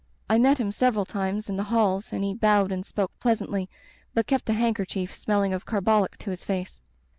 I met him several times in the halls and he bowed and spoke pleasantly, but kept a handker chief smelling of carbolic to his face.